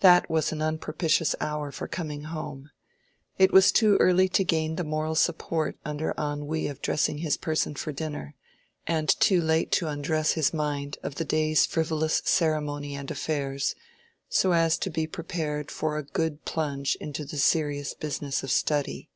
That was an unpropitious hour for coming home: it was too early to gain the moral support under ennui of dressing his person for dinner, and too late to undress his mind of the day's frivolous ceremony and affairs, so as to be prepared for a good plunge into the serious business of study.